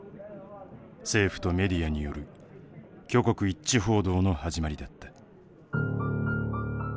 政府とメディアによる挙国一致報道の始まりだった。